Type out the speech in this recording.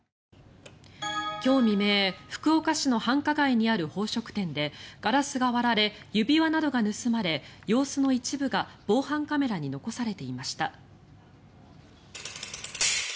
今日未明福岡市の繁華街にある宝飾店でガラスが割られ指輪などが盗まれ様子の一部が防犯カメラに残されていました。